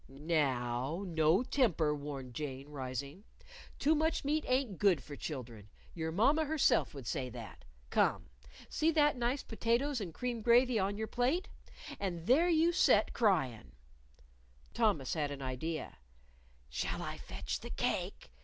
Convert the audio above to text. "Now, no temper," warned Jane, rising. "Too much meat ain't good for children. Your mamma herself would say that. Come! See that nice potatoes and cream gravy on your plate. And there you set cryin'!" Thomas had an idea. "Shall I fetch the cake?"